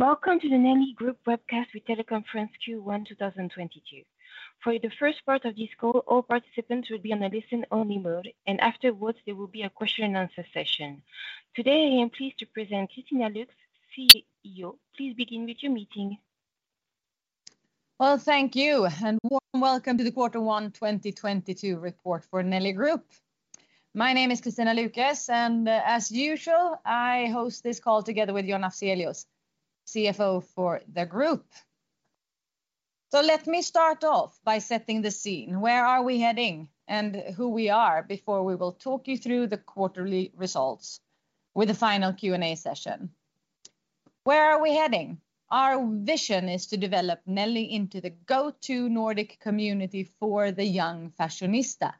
Welcome to the Nelly Group Webcast with Teleconference Q1 2022. For the first part of this call, all participants will be on a listen-only mode, and afterwards there will be a question and answer session. Today, I am pleased to present Kristina Lukes, CEO. Please begin with your meeting. Well, thank you, and warm welcome to the Q1 2022 report for Nelly Group. My name is Kristina Lukes, and as usual, I host this call together with John Afzelius, CFO for the group. Let me start off by setting the scene, where are we heading and who we are, before we will talk you through the quarterly results with a final Q&A session. Where are we heading? Our vision is to develop Nelly into the go-to Nordic community for the young fashionista,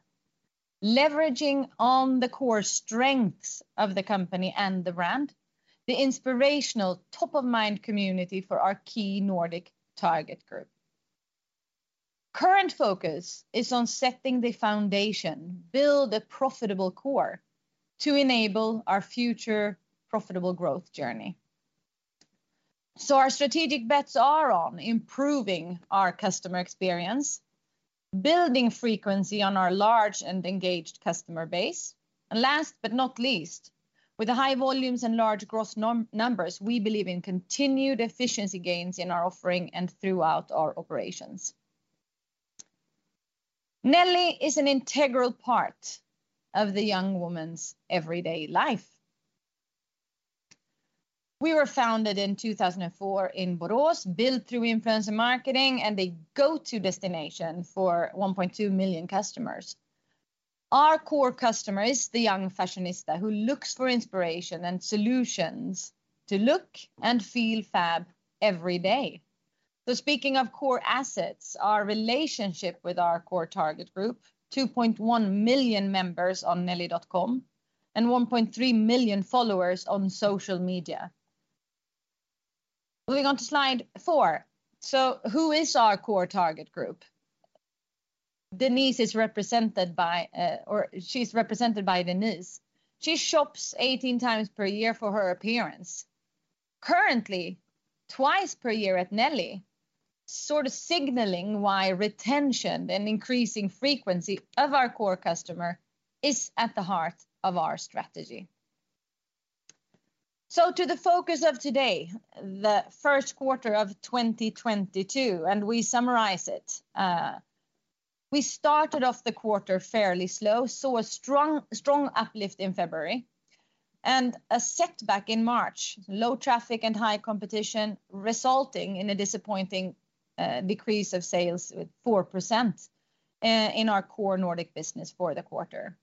leveraging on the core strengths of the company and the brand, the inspirational top-of-mind community for our key Nordic target group. Current focus is on setting the foundation, build a profitable core to enable our future profitable growth journey. Our strategic bets are on improving our customer experience, building frequency on our large and engaged customer base, and last but not least, with the high volumes and large gross numbers, we believe in continued efficiency gains in our offering and throughout our operations. Nelly is an integral part of the young woman's everyday life. We were founded in 2004 in Borås, built through influencer marketing, and the go-to destination for 1.2 million customers. Our core customer is the young fashionista who looks for inspiration and solutions to look and feel fab every day. Speaking of core assets, our relationship with our core target group, 2.1 million members on Nelly.com and 1.3 million followers on social media. Moving on to slide four. Who is our core target group? Denise is represented by, or she's represented by Denise. She shops 18 times per year for her appearance. Currently, twice per year at Nelly, sort of signaling why retention and increasing frequency of our core customer is at the heart of our strategy. To the focus of today, the first quarter of 2022, and we summarize it. We started off the quarter fairly slow, saw a strong uplift in February, and a setback in March. Low traffic and high competition resulting in a disappointing decrease of sales with 4% in our core Nordic business for the quarter.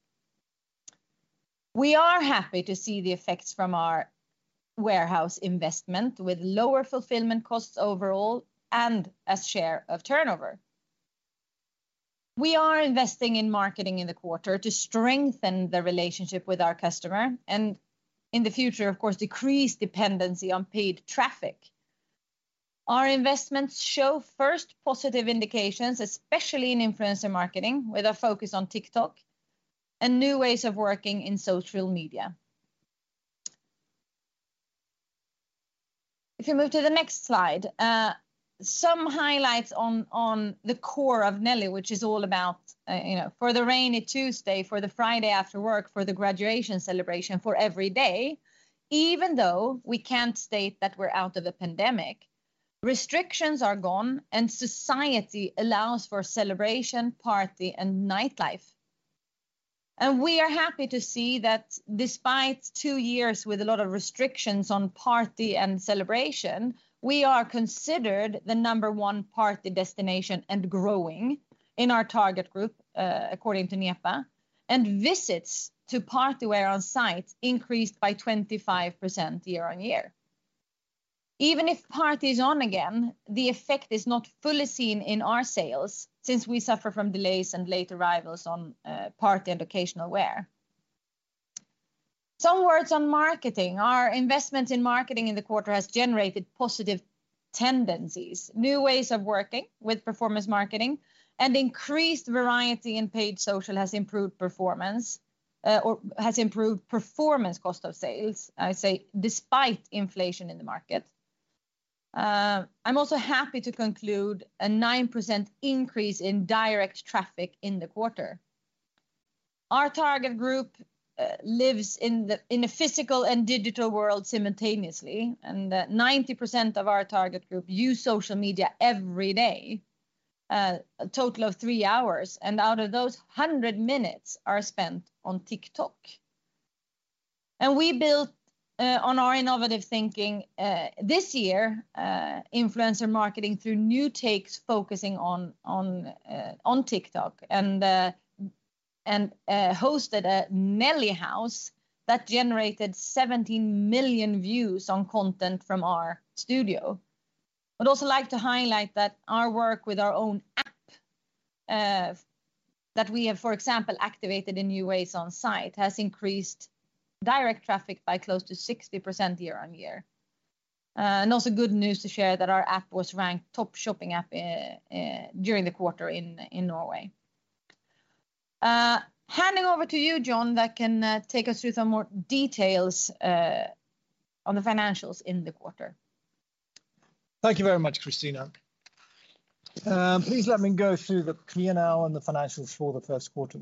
We are happy to see the effects from our warehouse investment with lower fulfillment costs overall and as share of turnover. We are investing in marketing in the quarter to strengthen the relationship with our customer and, in the future, of course, decrease dependency on paid traffic. Our investments show first positive indications, especially in influencer marketing, with a focus on TikTok and new ways of working in social media. If you move to the next slide, some highlights on the core of Nelly, which is all about, you know, for the rainy Tuesday, for the Friday after work, for the graduation celebration, for every day. Even though we can't state that we're out of the pandemic, restrictions are gone and society allows for celebration, party, and nightlife. We are happy to see that despite two years with a lot of restrictions on party and celebration, we are considered the number one party destination and growing in our target group, according to Nepa, and visits to party wear on site increased by 25% year-on-year. Even if party is on again, the effect is not fully seen in our sales since we suffer from delays and late arrivals on party and occasional wear. Some words on marketing. Our investment in marketing in the quarter has generated positive tendencies. New ways of working with performance marketing and increased variety in paid social has improved performance, or has improved performance cost of sales, I say, despite inflation in the market. I'm also happy to conclude a 9% increase in direct traffic in the quarter. Our target group lives in a physical and digital world simultaneously, and 90% of our target group use social media every day, a total of three hours, and out of those, 100 minutes are spent on TikTok. We built on our innovative thinking this year, influencer marketing through new takes focusing on TikTok and hosted a Nelly House that generated 70 million views on content from our studio. I'd also like to highlight that our work with our own app that we have, for example, activated in new ways on site, has increased direct traffic by close to 60% year-on-year. Also good news to share that our app was ranked top shopping app during the quarter in Norway. Handing over to you, John, that can take us through some more details on the financials in the quarter. Thank you very much, Kristina. Please let me go through the P&L and the financials for the first quarter.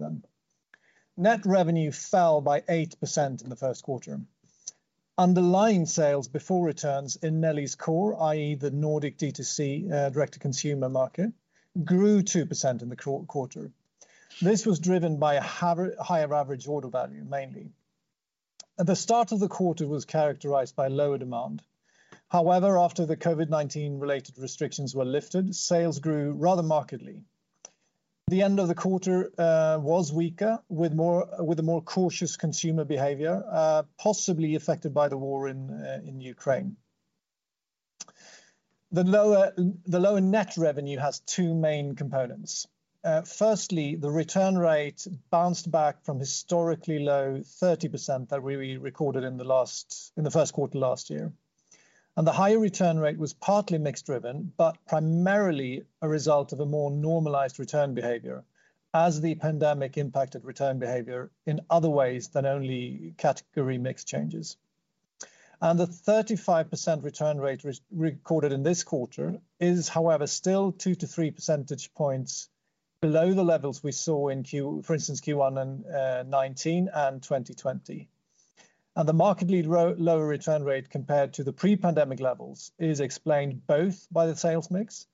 Net revenue fell by 8% in the first quarter. Underlying sales before returns in Nelly's core, i.e., the Nordic D2C, direct to consumer market, grew 2% in the quarter. This was driven by a higher average order value mainly. The start of the quarter was characterized by lower demand. However, after the COVID-19 related restrictions were lifted, sales grew rather markedly. The end of the quarter was weaker with a more cautious consumer behavior, possibly affected by the war in Ukraine. The lower net revenue has two main components. Firstly, the return rate bounced back from historically low 30% that we recorded in the first quarter last year. The higher return rate was partly mix driven, but primarily a result of a more normalized return behavior as the pandemic impacted return behavior in other ways than only category mix changes. The 35% return rate recorded in this quarter is, however, still two to three percentage points below the levels we saw in Q1, for instance, Q1 in 2019 and 2020. The markedly lower return rate compared to the pre-pandemic levels is explained both by the sales mix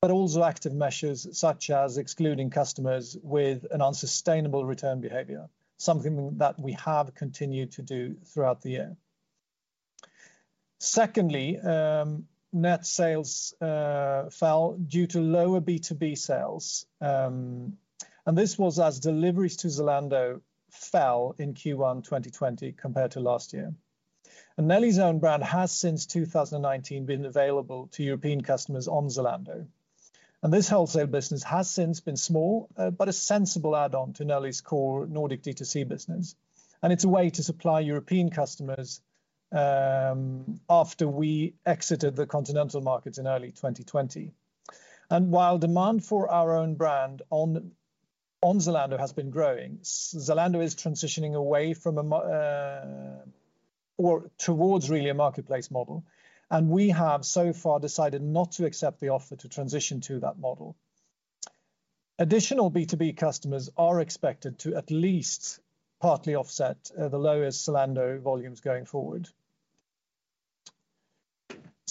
but also active measures such as excluding customers with an unsustainable return behavior, something that we have continued to do throughout the year. Secondly, net sales fell due to lower B2B sales. This was, as deliveries to Zalando fell in Q1 2020 compared to last year. Nelly's own brand has since 2019 been available to European customers on Zalando, and this wholesale business has since been small, but a sensible add-on to Nelly's core Nordic D2C business, and it's a way to supply European customers, after we exited the continental markets in early 2020. While demand for our own brand on Zalando has been growing, Zalando is transitioning towards really a marketplace model, and we have so far decided not to accept the offer to transition to that model. Additional B2B customers are expected to at least partly offset the lower Zalando volumes going forward.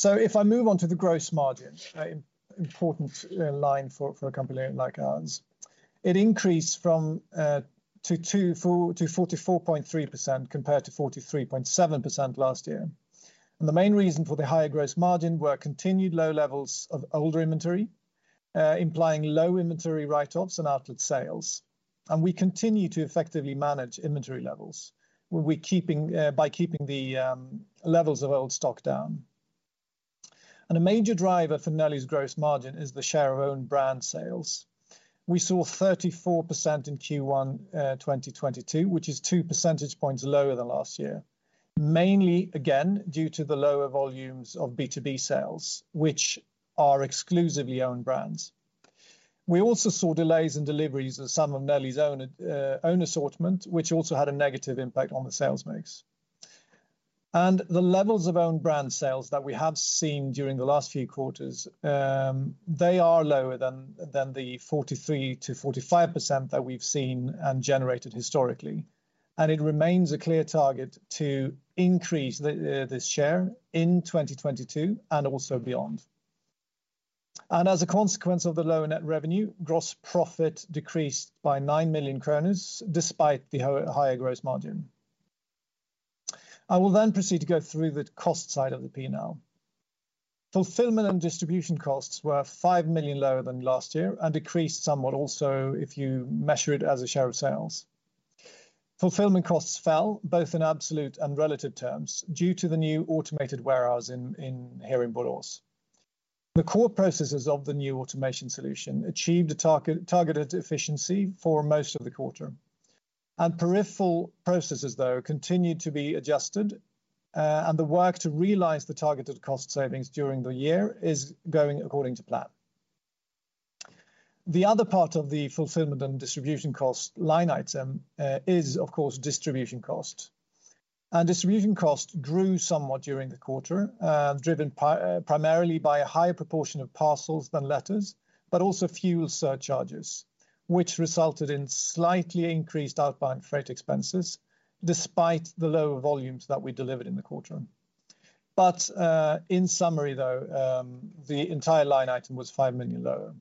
If I move on to the gross margin, an important line for a company like ours, it increased to 44.3% compared to 43.7% last year. The main reason for the higher gross margin were continued low levels of older inventory, implying low inventory write-offs and outlet sales. We continue to effectively manage inventory levels by keeping the levels of old stock down. A major driver for Nelly's gross margin is the share of own brand sales. We saw 34% in Q1 2022, which is two percentage points lower than last year. Mainly, again, due to the lower volumes of B2B sales, which are exclusively own brands. We also saw delays in deliveries of some of Nelly's own assortment, which also had a negative impact on the sales mix. The levels of own brand sales that we have seen during the last few quarters, they are lower than the 43%-45% that we've seen and generated historically, and it remains a clear target to increase the share in 2022 and also beyond. As a consequence of the lower net revenue, gross profit decreased by 9 million kronor despite the higher gross margin. I will proceed to go through the cost side of the P&L. Fulfillment and distribution costs were 5 million lower than last year and decreased somewhat also if you measure it as a share of sales. Fulfillment costs fell both in absolute and relative terms due to the new automated warehouse in Borås. The core processes of the new automation solution achieved a targeted efficiency for most of the quarter. Peripheral processes though continued to be adjusted, and the work to realize the targeted cost savings during the year is going according to plan. The other part of the fulfillment and distribution cost line item is of course distribution cost. Distribution cost grew somewhat during the quarter, driven primarily by a higher proportion of parcels than letters, but also fuel surcharges, which resulted in slightly increased outbound freight expenses despite the lower volumes that we delivered in the quarter. In summary, though, the entire line item was 5 million lower.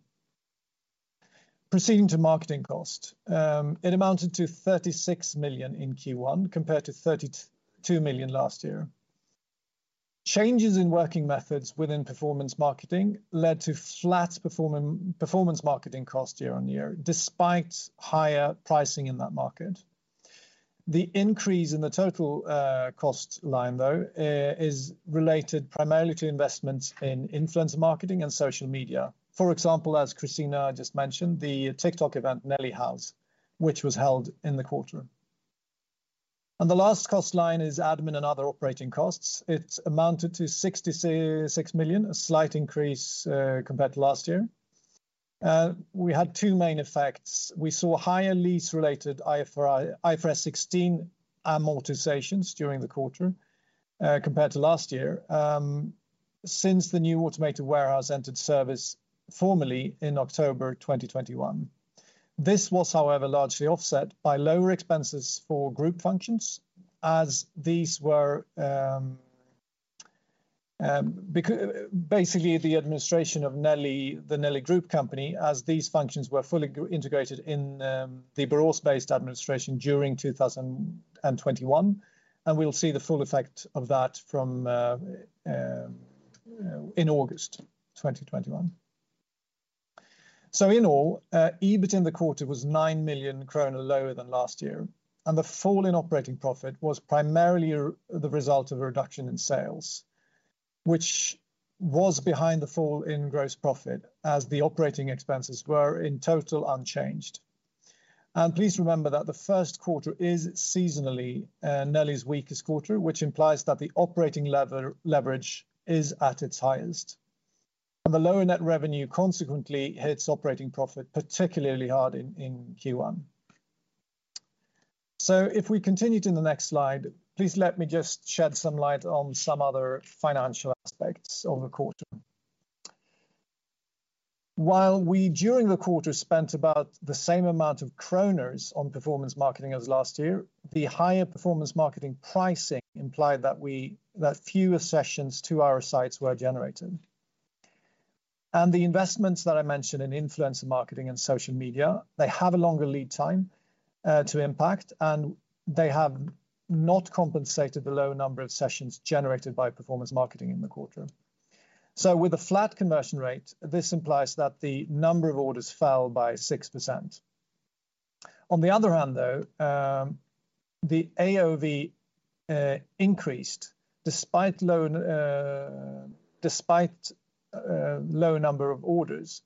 Proceeding to marketing cost. It amounted to 36 million in Q1 compared to 32 million last year. Changes in working methods within performance marketing led to flat performance marketing cost year on year, despite higher pricing in that market. The increase in the total cost line, though, is related primarily to investments in influencer marketing and social media. For example, as Kristina just mentioned, the TikTok event, Nelly House, which was held in the quarter. The last cost line is admin and other operating costs. It amounted to 66 million, a slight increase, compared to last year. We had two main effects. We saw higher lease related IFRS 16 amortizations during the quarter, compared to last year, since the new automated warehouse entered service formally in October 2021. This was, however, largely offset by lower expenses for group functions as these were basically the administration of Nelly, the Nelly Group company, as these functions were fully integrated in the Borås-based administration during 2021, and we'll see the full effect of that from in August 2021. In all, EBIT in the quarter was 9 million kronor lower than last year, and the fall in operating profit was primarily the result of a reduction in sales, which was behind the fall in gross profit as the operating expenses were, in total, unchanged. Please remember that the first quarter is seasonally Nelly's weakest quarter, which implies that the operating leverage is at its highest, and the lower net revenue consequently hits operating profit particularly hard in Q1. If we continue to the next slide, please let me just shed some light on some other financial aspects of the quarter. While we, during the quarter, spent about the same amount of SEK on performance marketing as last year, the higher performance marketing pricing implied that fewer sessions to our sites were generated. The investments that I mentioned in influencer marketing and social media have a longer lead time to impact, and they have not compensated the low number of sessions generated by performance marketing in the quarter. With a flat conversion rate, this implies that the number of orders fell by 6%. On the other hand, though, the AOV increased despite low number of orders.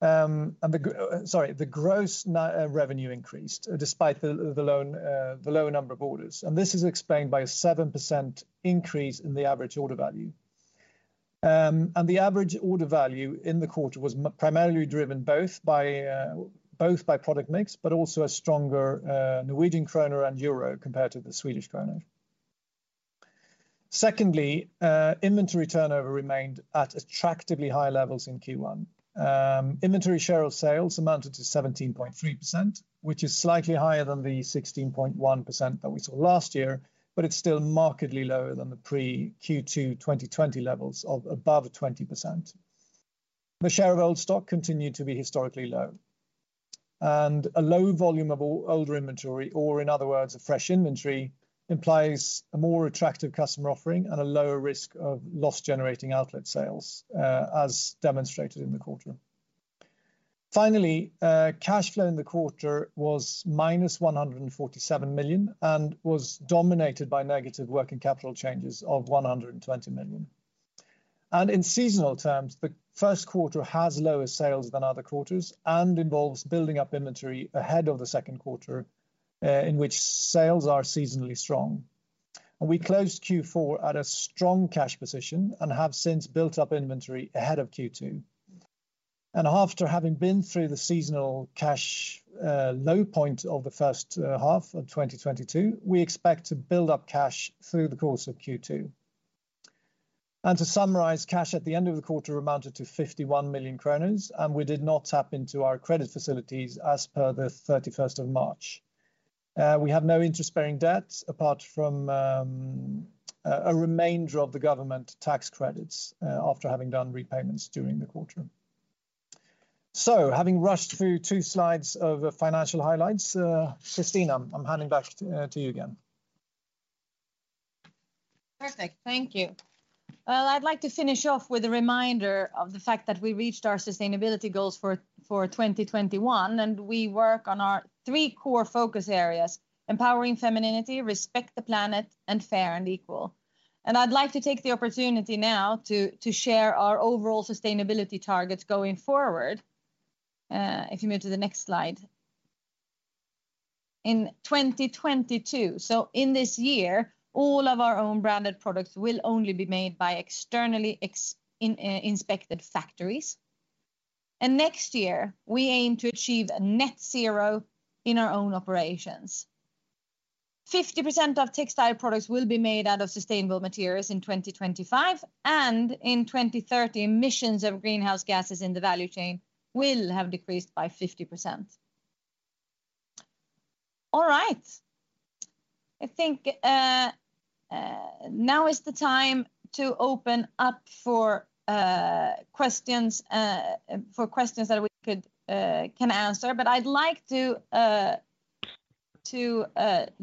The gross revenue increased despite the low number of orders, and this is explained by a 7% increase in the average order value. The average order value in the quarter was primarily driven both by product mix, but also a stronger Norwegian krone and euro compared to the Swedish krona. Secondly, inventory turnover remained at attractively high levels in Q1. Inventory share of sales amounted to 17.3%, which is slightly higher than the 16.1% that we saw last year, but it's still markedly lower than the pre-Q2 2020 levels of above 20%. The share of old stock continued to be historically low, and a low volume of older inventory or, in other words, a fresh inventory, implies a more attractive customer offering and a lower risk of loss-generating outlet sales, as demonstrated in the quarter. Finally, cash flow in the quarter was -147 million and was dominated by negative working capital changes of 120 million. In seasonal terms, the first quarter has lower sales than other quarters and involves building up inventory ahead of the second quarter, in which sales are seasonally strong. We closed Q4 at a strong cash position and have since built up inventory ahead of Q2. After having been through the seasonal cash low point of the first half of 2022, we expect to build up cash through the course of Q2. To summarize, cash at the end of the quarter amounted to 51 million, and we did not tap into our credit facilities as per the 31st of March. We have no interest-bearing debt apart from a remainder of the government tax credits after having done repayments during the quarter. Having rushed through two slides of financial highlights, Kristina, I'm handing back to you again. Perfect. Thank you. Well, I'd like to finish off with a reminder of the fact that we reached our sustainability goals for 2021, and we work on our three core focus areas, empowering femininity, respect the planet, and fair and equal. I'd like to take the opportunity now to share our overall sustainability targets going forward, if you move to the next slide. In 2022, so in this year, all of our own branded products will only be made by externally inspected factories. Next year we aim to achieve a net zero in our own operations. 50% of textile products will be made out of sustainable materials in 2025, and in 2030, emissions of greenhouse gases in the value chain will have decreased by 50%. All right. I think now is the time to open up for questions that we can answer. I'd like to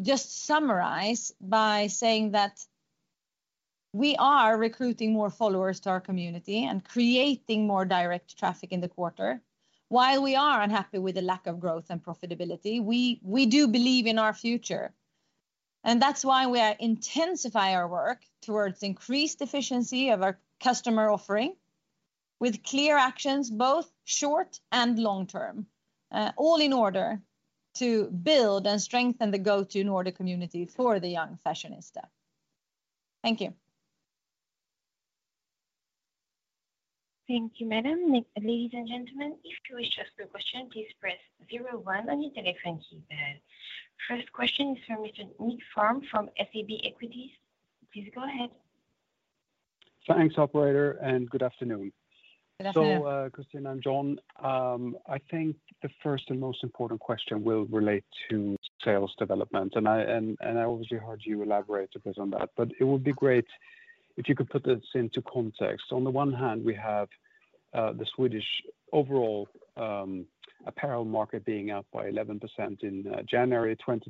just summarize by saying that we are recruiting more followers to our community and creating more direct traffic in the quarter. While we are unhappy with the lack of growth and profitability, we do believe in our future, and that's why we are intensify our work towards increased efficiency of our customer offering. With clear actions, both short and long-term, all in order to build and strengthen the go-to Nordic community for the young fashionista. Thank you. Thank you, madam. Ladies and gentlemen, if you wish to ask a question, please press zero one on your telephone keypad. First question is from Nicklas Fhärm from SEB Equities. Please go ahead. Thanks, operator, and good afternoon. Good afternoon. Kristina and John, I think the first and most important question will relate to sales development, and I obviously heard you elaborate, of course, on that. It would be great if you could put this into context. On the one hand, we have the Swedish overall apparel market being up by 11% in January, 22%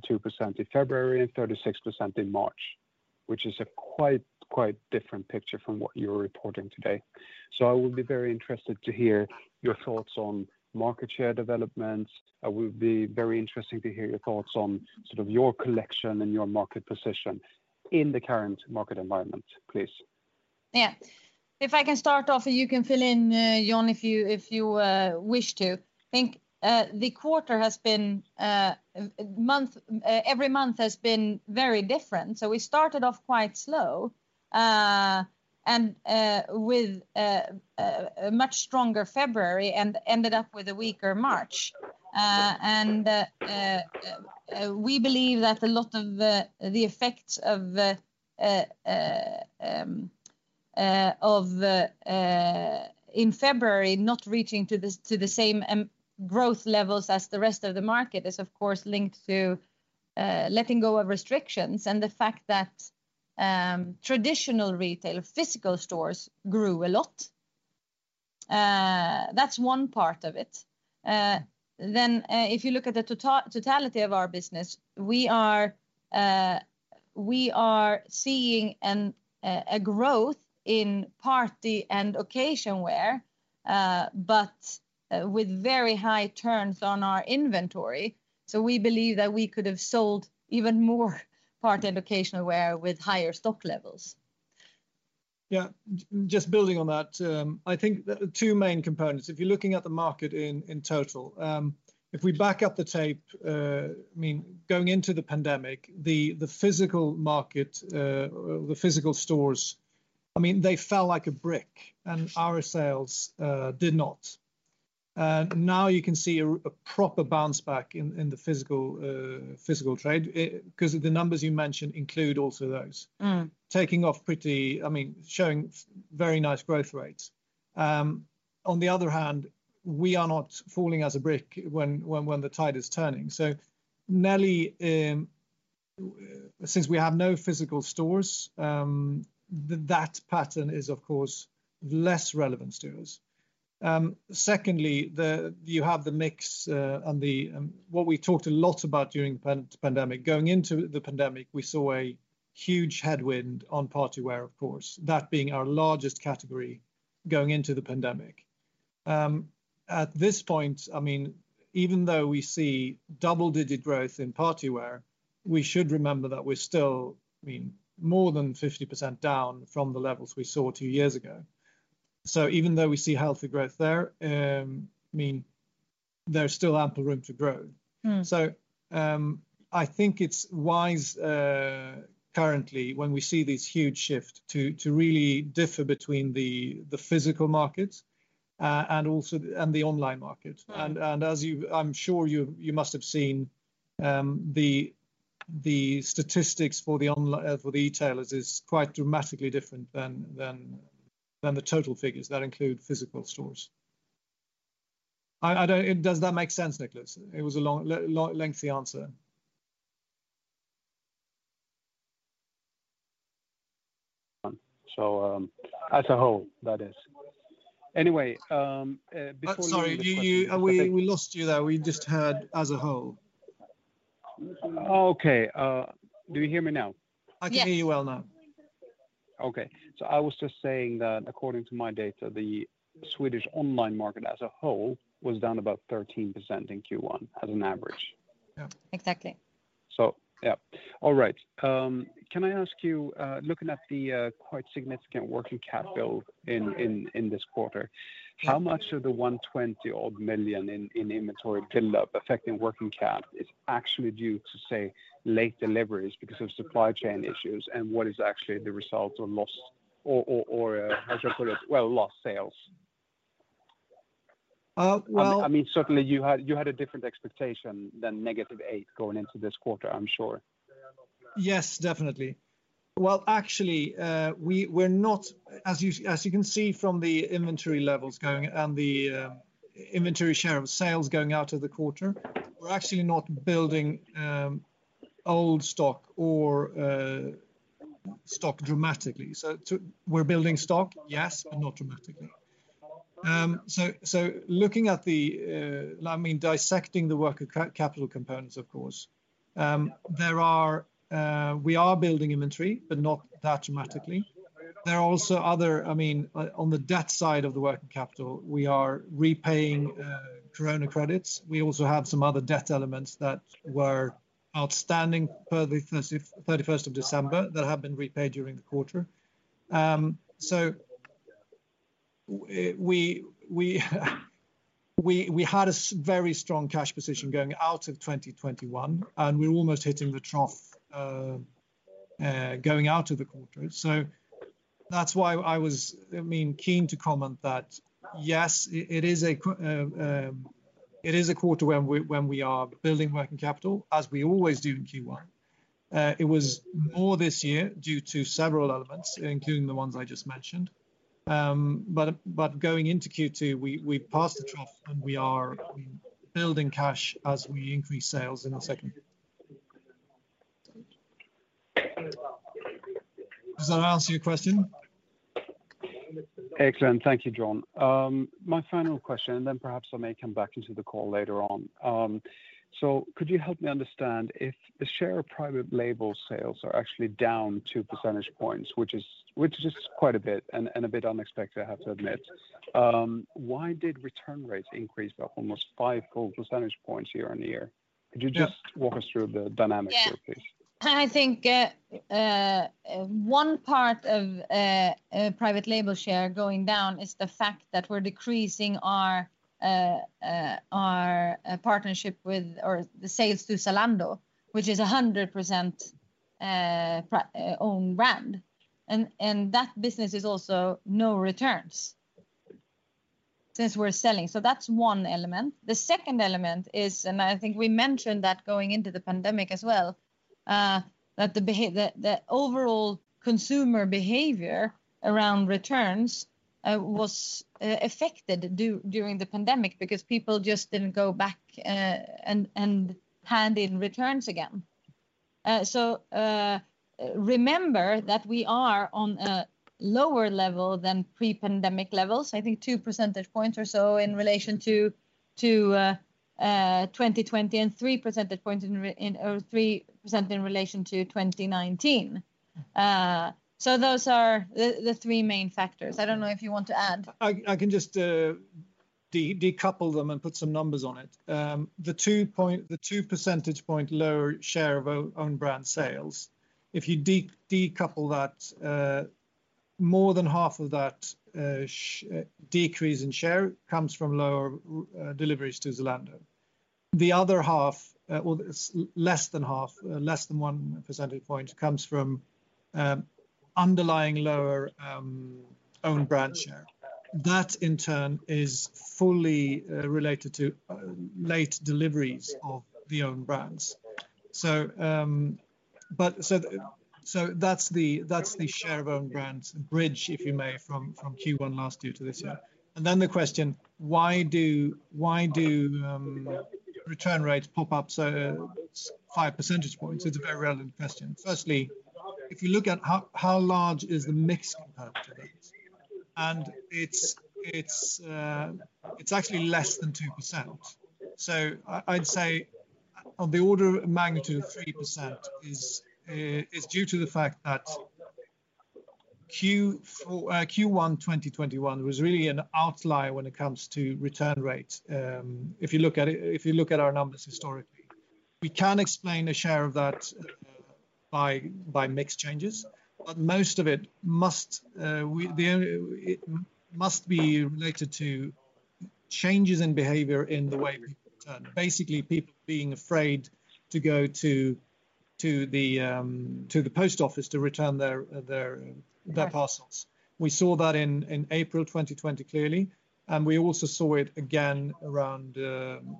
in February, and 36% in March, which is a quite different picture from what you're reporting today. I would be very interested to hear your thoughts on market share development. I would be very interested to hear your thoughts on sort of your collection and your market position in the current market environment, please. Yeah. If I can start off, and you can fill in, John, if you wish to. I think the quarter has been every month has been very different, so we started off quite slow with a much stronger February and ended up with a weaker March. We believe that a lot of the effects in February not reaching to the same growth levels as the rest of the market is of course linked to letting go of restrictions and the fact that traditional retail, physical stores grew a lot. That's one part of it. If you look at the totality of our business, we are seeing a growth in party and occasion wear, but with very high turns on our inventory. We believe that we could have sold even more party and occasional wear with higher stock levels. Yeah. Just building on that, I think the two main components, if you're looking at the market in total, if we back up the tape, I mean, going into the pandemic, the physical market or the physical stores, I mean, they fell like a brick, and our sales did not. Now you can see a proper bounce back in the physical trade, because the numbers you mentioned include also those. Mm. I mean, showing very nice growth rates. On the other hand, we are not falling as a brick when the tide is turning. Nelly, since we have no physical stores, that pattern is, of course, less relevant to us. Secondly, you have the mix on what we talked a lot about during the pandemic. Going into the pandemic, we saw a huge headwind on party wear, of course, that being our largest category going into the pandemic. At this point, I mean, even though we see double-digit growth in party wear, we should remember that we're still, I mean, more than 50% down from the levels we saw two years ago. Even though we see healthy growth there, I mean, there's still ample room to grow. Mm. I think it's wise currently when we see this huge shift to really differentiate between the physical market and the online market. Right. I'm sure you must have seen the statistics for the e-tailers is quite dramatically different than the total figures that include physical stores. Does that make sense, Niklas? It was a long, lengthy answer. As a whole, that is. Anyway, before we- Sorry, we lost you there. We just heard, "As a whole. Oh, okay. Do you hear me now? Yes. I can hear you well now. Okay. I was just saying that according to my data, the Swedish online market as a whole was down about 13% in Q1 as an average. Yeah. Exactly. Can I ask you, looking at the quite significant working capital in this quarter, how much of the 120-odd million in inventory build-up affecting working capital is actually due to, say, late deliveries because of supply chain issues, and what is actually the result of lost sales? Well I mean, certainly you had a different expectation than -8% going into this quarter, I'm sure. Yes, definitely. Well, actually, we're not, as you can see from the inventory levels going, and the inventory share of sales going out of the quarter, we're actually not building old stock or stock dramatically. We're building stock, yes, but not dramatically. Looking at the, I mean, dissecting the working capital components, of course, there are. We are building inventory, but not that dramatically. There are also other. I mean, on the debt side of the working capital, we are repaying Corona credits. We also have some other debt elements that were outstanding for the 31st of December that have been repaid during the quarter. We had a very strong cash position going out of 2021, and we're almost hitting the trough going out of the quarter. That's why I was, I mean, keen to comment that yes, it is a quarter when we are building working capital, as we always do in Q1. It was more this year due to several elements, including the ones I just mentioned. Going into Q2, we've passed the trough, and we are building cash as we increase sales in the second half. Does that answer your question? Excellent. Thank you, John. My final question, and then perhaps I may come back into the call later on. Could you help me understand if the share of private label sales are actually down 2 percentage points, which is quite a bit and a bit unexpected, I have to admit. Why did return rates increase by almost 5 full percentage points year-on-year? Could you just walk us through the dynamics here, please? Yeah. I think one part of private label share going down is the fact that we're decreasing our partnership with or the sales to Zalando, which is 100% our own brand. That business is also no returns since we're selling. That's one element. The second element is. I think we mentioned that going into the pandemic as well, that the overall consumer behavior around returns was affected during the pandemic because people just didn't go back and hand in returns again. Remember that we are on a lower level than pre-pandemic levels, I think 2 percentage points or so in relation to 2020 and three percentage points or three percent in relation to 2019. Those are the three main factors. I don't know if you want to add. I can just decouple them and put some numbers on it. The 2 percentage points lower share of own brand sales, if you decouple that, more than half of that decrease in share comes from lower deliveries to Zalando. The other half, or less than half, less than 1 percentage point, comes from underlying lower own brand share. That in turn is fully related to late deliveries of the own brands. That's the share of own brands bridge, if you may, from Q1 last year to this year. The question, why do return rates pop up so 5 percentage points? It's a very relevant question. Firstly, if you look at how large is the mix compared to that, and it's actually less than 2%. I'd say on the order of magnitude of 3% is due to the fact that Q1 2021 was really an outlier when it comes to return rates, if you look at our numbers historically. We can explain a share of that by mix changes, but most of it must be related to changes in behavior in the way people return. Basically, people being afraid to go to the post office to return their. Yeah ... their parcels. We saw that in April 2020 clearly, and we also saw it again around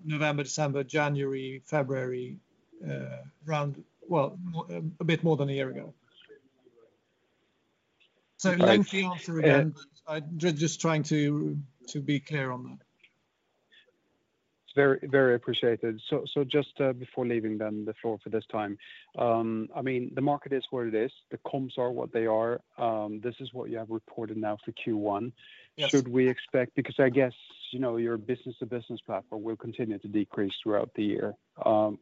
November, December, January, February, a bit more than a year ago. Right. Yeah. Lengthy answer again, but I just trying to be clear on that. It's very appreciated. Just before leaving then the floor for this time, I mean, the market is where it is, the comps are what they are. This is what you have reported now for Q1. Yes. Should we expect? Because I guess, you know, your business to business platform will continue to decrease throughout the year. Well-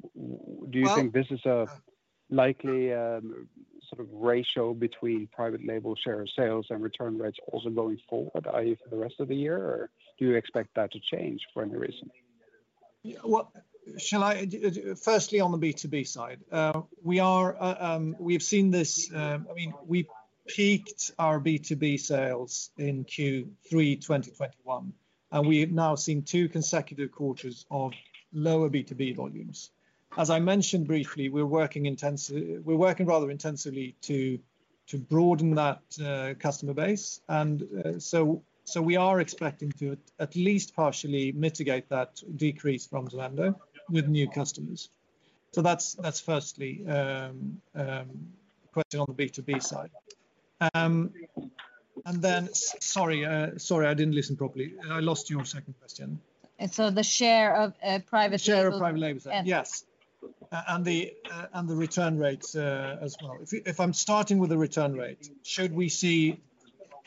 Do you think this is a likely sort of ratio between private label share of sales and return rates also going forward, i.e., for the rest of the year? Or do you expect that to change for any reason? Well, firstly on the B2B side, we've seen this, I mean, we peaked our B2B sales in Q3 2021, and we've now seen two consecutive quarters of lower B2B volumes. As I mentioned briefly, we're working rather intensively to broaden that customer base. So we are expecting to at least partially mitigate that decrease from Zalando with new customers. That's the first question on the B2B side. Then, sorry, I didn't listen properly. I lost your second question. The share of private label. The share of private label sales. Yeah. Yes. The return rates as well. If I'm starting with the return rate, should we see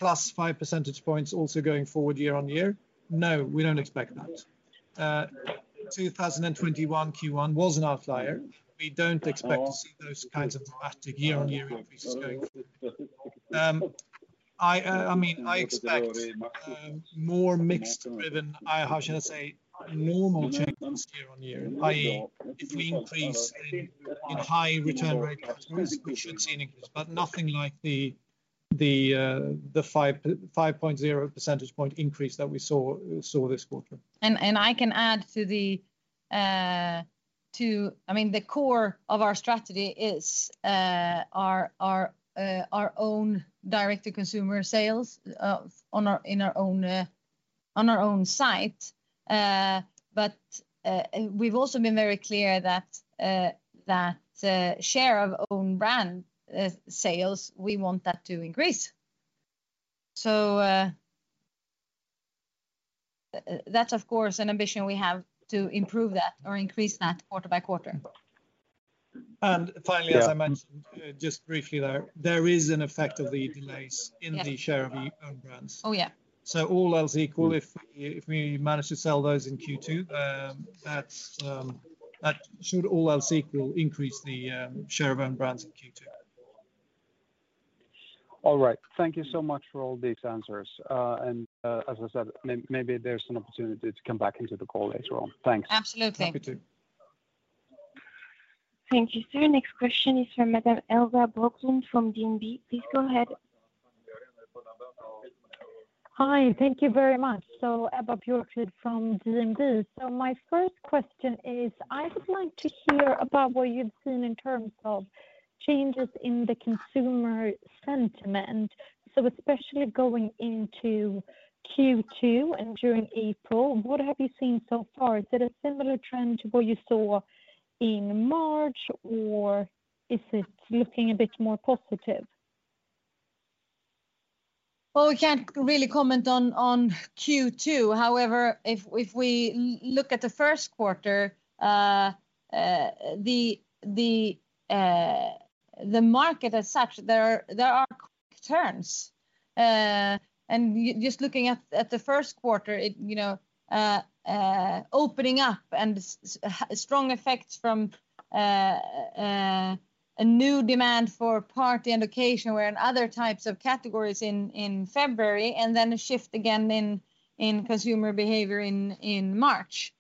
+5 percentage points also going forward year-on-year? No, we don't expect that. 2021 Q1 was an outlier. We don't expect to see those kinds of dramatic year-on-year increases going forward. I mean, I expect more mix-driven, normal-ish year-on-year. If we increase in high-return regular customers, we should see an increase, but nothing like the 5.0 percentage point increase that we saw this quarter. I mean, the core of our strategy is our own direct to consumer sales on our own site. We've also been very clear that share of own brand sales we want that to increase. That's of course an ambition we have to improve that or increase that quarter by quarter. Finally. Yeah As I mentioned, just briefly there is an effect of the delays. Yes the share of the own brands. Oh, yeah. All else equal, if we manage to sell those in Q2, that should all else equal increase the share of own brands in Q2. All right. Thank you so much for all these answers. As I said, maybe there's an opportunity to come back into the call later on. Thanks. Absolutely. Happy to. Thank you, sir. Next question is from Madam Ebba Bjorklid from DNB. Please go ahead. Hi. Thank you very much. Ebba Bjorklid from DNB. My first question is, I would like to hear about what you've seen in terms of changes in the consumer sentiment. Especially going into Q2 and during April, what have you seen so far? Is it a similar trend to what you saw in March, or is it looking a bit more positive? Well, we can't really comment on Q2. However, if we look at the first quarter, the market as such, there are quick turns. Just looking at the first quarter, it, you know, opening up and strong effects from a new demand for party and occasion wear and other types of categories in February, and then a shift again in consumer behavior in March.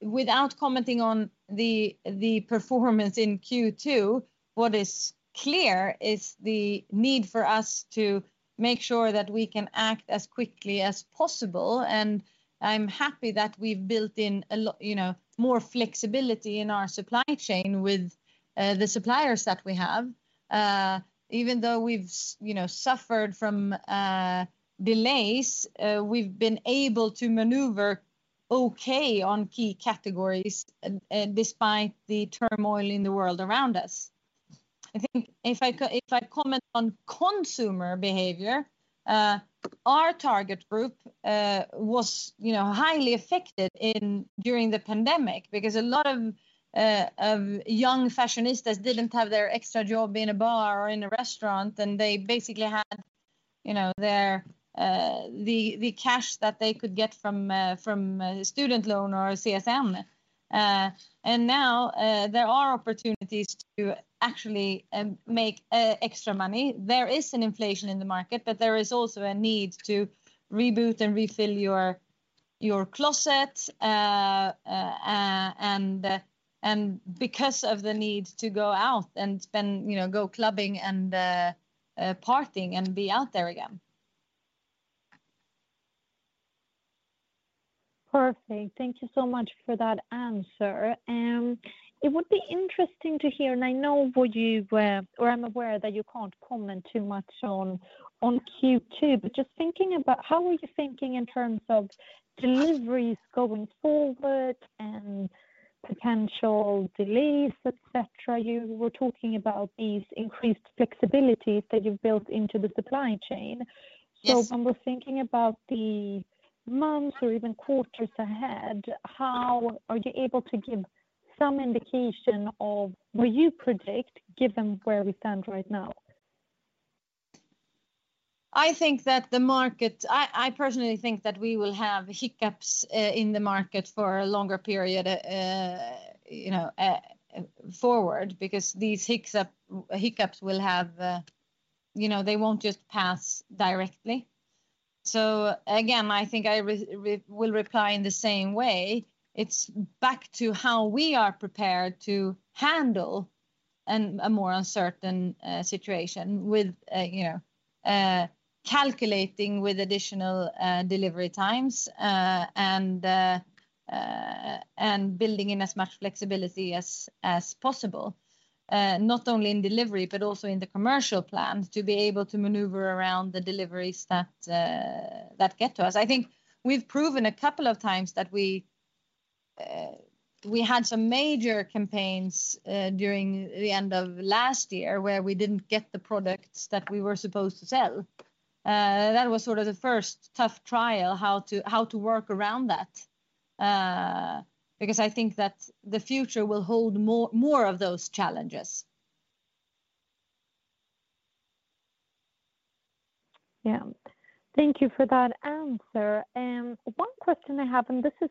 Without commenting on the performance in Q2, what is clear is the need for us to make sure that we can act as quickly as possible, and I'm happy that we've built in, you know, more flexibility in our supply chain with the suppliers that we have. Even though we've you know, suffered from delays, we've been able to maneuver okay on key categories despite the turmoil in the world around us. I think if I comment on consumer behavior, our target group was, you know, highly affected during the pandemic because a lot of young fashionistas didn't have their extra job in a bar or in a restaurant, and they basically had, you know, their the cash that they could get from a student loan or a CSN. Now there are opportunities to actually make extra money. There is an inflation in the market, but there is also a need to reboot and refill your closet, and because of the need to go out and spend, you know, go clubbing and partying and be out there again. Perfect. Thank you so much for that answer. It would be interesting to hear, and I'm aware that you can't comment too much on Q2. Just thinking about how are you thinking in terms of deliveries going forward and potential delays, et cetera. You were talking about these increased flexibilities that you've built into the supply chain. Yes. When we're thinking about the months or even quarters ahead, are you able to give some indication of what you predict given where we stand right now? I think that the market. I personally think that we will have hiccups in the market for a longer period, you know, forward because these hiccups will have, you know, they won't just pass directly. Again, I think I will reply in the same way. It's back to how we are prepared to handle a more uncertain situation with, you know, calculating with additional delivery times, and building in as much flexibility as possible, not only in delivery, but also in the commercial plans to be able to maneuver around the deliveries that get to us. I think we've proven a couple of times that we had some major campaigns during the end of last year where we didn't get the products that we were supposed to sell. That was sort of the first tough trial, how to work around that, because I think that the future will hold more of those challenges. Yeah. Thank you for that answer. One question I have, and this is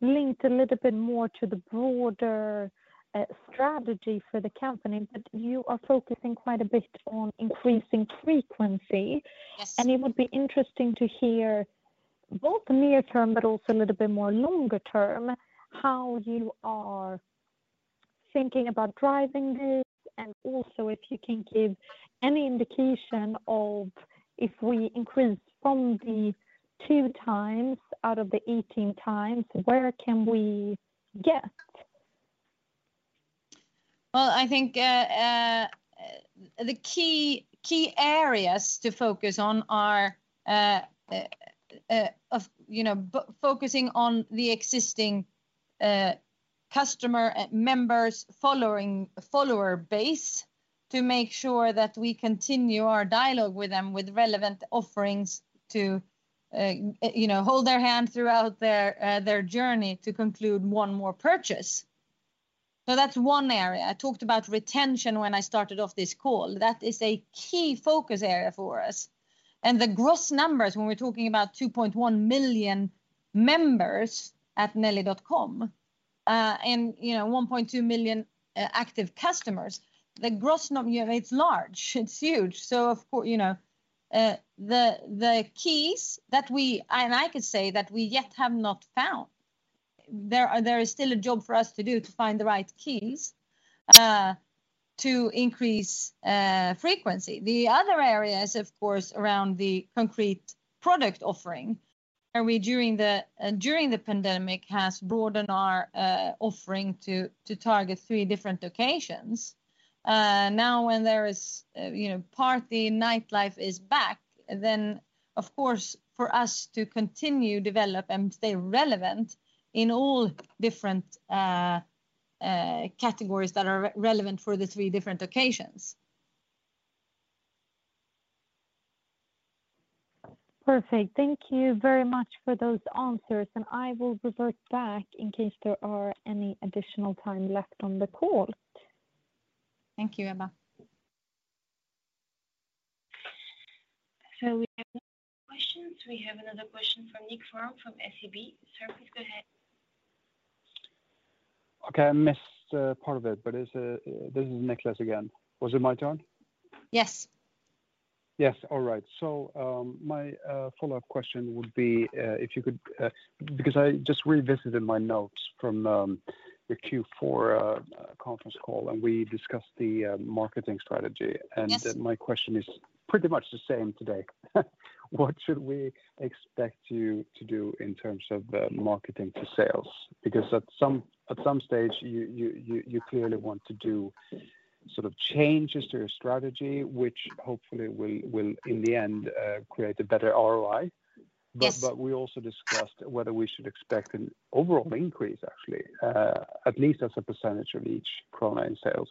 linked a little bit more to the broader strategy for the company, but you are focusing quite a bit on increasing frequency. Yes. It would be interesting to hear both near term, but also a little bit more longer term, how you are thinking about driving this, and also if you can give any indication of if we increase from the 2 times out of the 18 times, where can we get? Well, I think the key areas to focus on are, you know, focusing on the existing customer members follower base to make sure that we continue our dialogue with them with relevant offerings to, you know, hold their hand throughout their journey to conclude one more purchase. That's one area. I talked about retention when I started off this call. That is a key focus area for us. The gross numbers, when we're talking about 2.1 million members at Nelly.com and, you know, 1.2 million active customers, the gross number, it's large, it's huge. Of course, you know, the keys that we have not yet found. There is still a job for us to do to find the right keys to increase frequency. The other areas, of course, around the concrete product offering, and we during the pandemic has broadened our offering to target three different occasions. Now when there is, you know, party nightlife is back, then of course, for us to continue develop and stay relevant in all different categories that are relevant for the three different occasions. Perfect. Thank you very much for those answers, and I will revert back in case there are any additional time left on the call. Thank you, Ebba. We have questions. We have another question from Nicklas Fhärm from SEB. Sir, please go ahead. Okay, I missed part of it, but it's this is Nicklas again. Was it my turn? Yes. Yes. All right. My follow-up question would be if you could, because I just revisited my notes from your Q4 conference call, and we discussed the marketing strategy. Yes. My question is pretty much the same today. What should we expect you to do in terms of marketing to sales? Because at some stage, you clearly want to do sort of changes to your strategy, which hopefully will in the end create a better ROI. Yes. We also discussed whether we should expect an overall increase, actually, at least as a percentage of each krona in sales,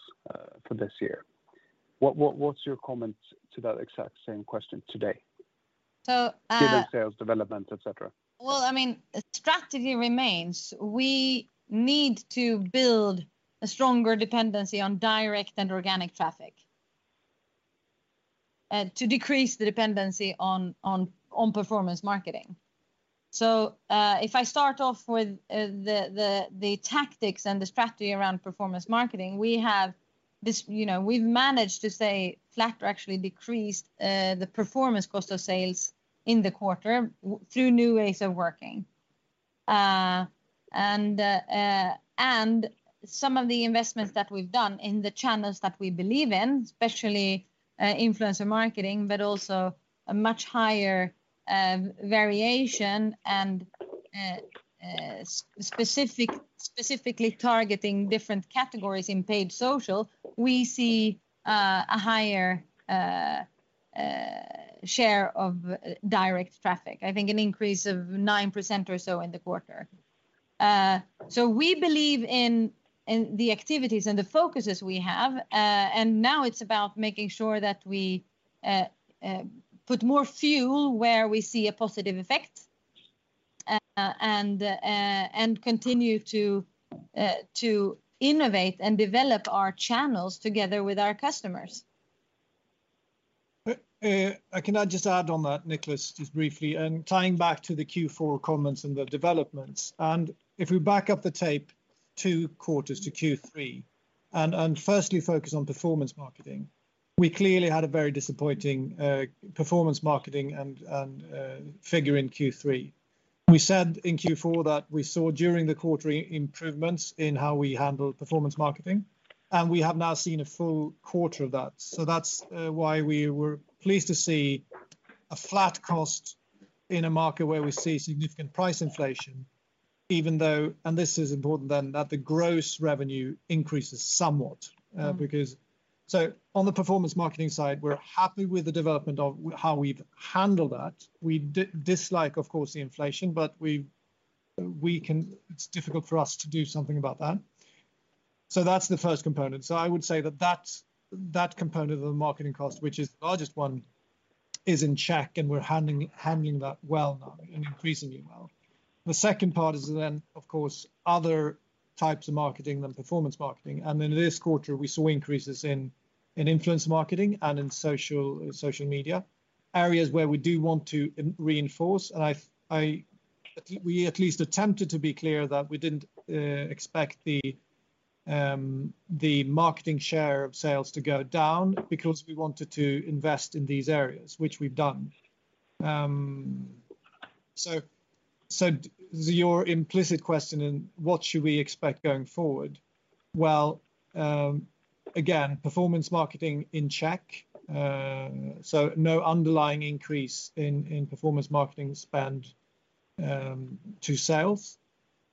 for this year. What's your comment to that exact same question today? So, uh- Given sales development, et cetera. Well, I mean, strategy remains. We need to build a stronger dependency on direct and organic traffic to decrease the dependency on performance marketing. If I start off with the tactics and the strategy around performance marketing, we have this, you know, we've managed to stay flat or actually decreased the performance cost of sales in the quarter through new ways of working. And some of the investments that we've done in the channels that we believe in, especially influencer marketing, but also a much higher variation and specifically targeting different categories in paid social, we see a higher share of direct traffic. I think an increase of 9% or so in the quarter. We believe in the activities and the focuses we have. Now it's about making sure that we put more fuel where we see a positive effect, and continue to innovate and develop our channels together with our customers. Can I just add on that, Nicklas, just briefly, and tying back to the Q4 comments and the developments. If we back up the tape two quarters to Q3 and firstly focus on performance marketing, we clearly had a very disappointing performance marketing figure in Q3. We said in Q4 that we saw during the quarter improvements in how we handle performance marketing, and we have now seen a full quarter of that. That's why we were pleased to see a flat cost in a market where we see significant price inflation, even though, and this is important then, that the gross revenue increases somewhat, because. On the performance marketing side, we're happy with the development of how we've handled that. We dislike, of course, the inflation, but it's difficult for us to do something about that. That's the first component. I would say that that component of the marketing cost, which is the largest one, is in check, and we're handling that well now and increasingly well. The second part is then, of course, other types of marketing than performance marketing. In this quarter, we saw increases in influencer marketing and in social media, areas where we do want to reinforce. We at least attempted to be clear that we didn't expect the marketing share of sales to go down because we wanted to invest in these areas, which we've done. Your implicit question in what should we expect going forward? Well, again, performance marketing in check. No underlying increase in performance marketing spend to sales.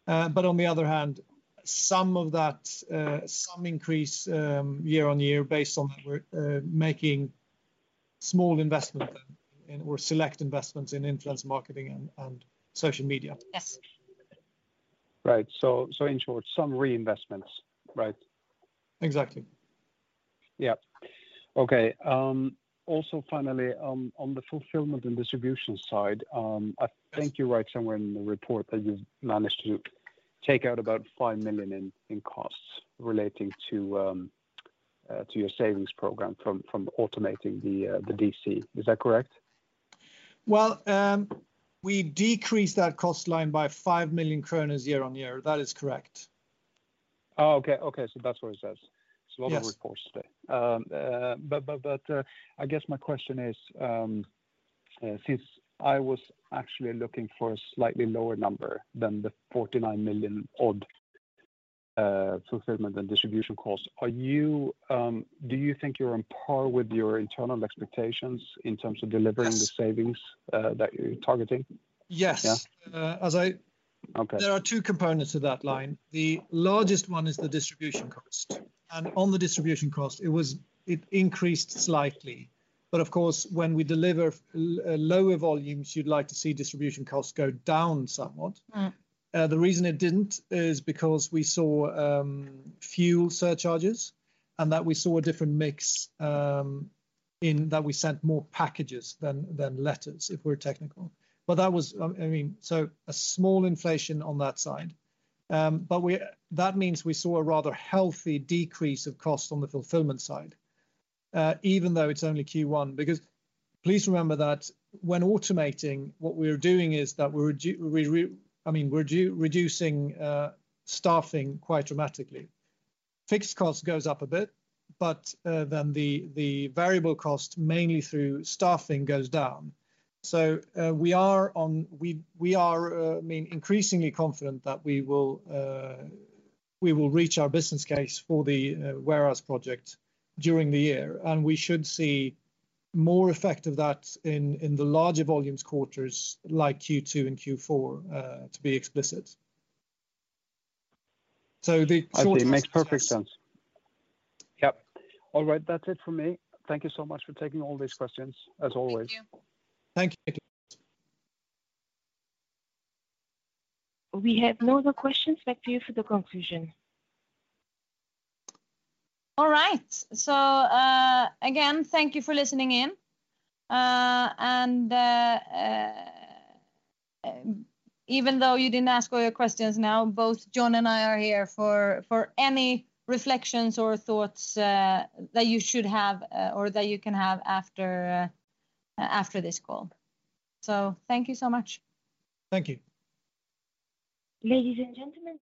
On the other hand, some of that some increase year-on-year based on that we're making small investment in our select investments in influencer marketing and social media. Yes. Right. In short, some reinvestments, right? Exactly. Yeah. Okay. Also finally, on the fulfillment and distribution side. Yes I think you write somewhere in the report that you've managed to take out about 5 million in costs relating to your savings program from automating the DC. Is that correct? Well, we decreased that cost line by 5 million kronor year-over-year. That is correct. Oh, okay. That's what it says. Yes. There's a lot of reports today. I guess my question is, since I was actually looking for a slightly lower number than the 49 million odd, fulfillment and distribution costs, do you think you're on par with your internal expectations in terms of delivering- Yes... the savings that you're targeting? Yes. Yeah. Uh, as I- Okay. There are two components to that line. The largest one is the distribution cost. On the distribution cost, it increased slightly. Of course, when we deliver lower volumes, you'd like to see distribution costs go down somewhat. Mm. The reason it didn't is because we saw fuel surcharges, and that we saw a different mix in that we sent more packages than letters, if we're technical. That was, I mean, so a small inflation on that side. That means we saw a rather healthy decrease of cost on the fulfillment side, even though it's only Q1. Because please remember that when automating, what we're doing is that we're reducing staffing quite dramatically. Fixed cost goes up a bit, but then the variable cost, mainly through staffing, goes down. We are increasingly confident that we will reach our business case for the warehouse project during the year, and we should see more effect of that in the larger volumes quarters like Q2 and Q4, to be explicit. The short answer is. I think it makes perfect sense. Yep. All right. That's it for me. Thank you so much for taking all these questions, as always. Thank you. Thank you. We have no other questions. Back to you for the conclusion. All right. Again, thank you for listening in. Even though you didn't ask all your questions now, both John and I are here for any reflections or thoughts that you should have, or that you can have after this call. Thank you so much. Thank you. Ladies and gentlemen.